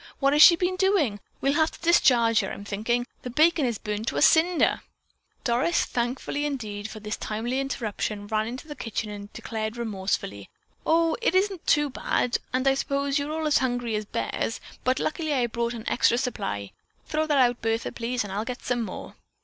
What has she been doing? We'll have to discharge her. I'm thinking. The bacon is burned to a cinder." Doris, thankful indeed for this timely interruption, ran into the kitchen and declared remorsefully: "Oh, isn't that too bad, and I suppose you are all hungry as bears, but luckily I brought an extra supply. Throw that out, Bertha, please, and I'll get some more."